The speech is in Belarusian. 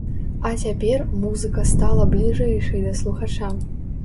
А цяпер музыка стала бліжэйшай да слухача!